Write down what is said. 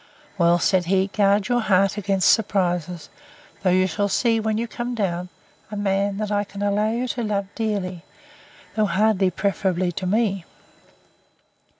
Well, said he, guard your heart against surprises, though you shall see, when you come down, a man that I can allow you to love dearly; though hardly preferably to me.